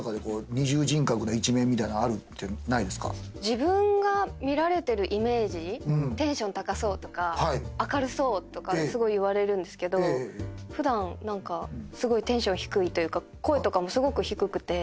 自分が見られてるイメージテンション高そうとか明るそうとかすごい言われるんですけど普段何かすごいテンション低いというか声とかもすごく低くて。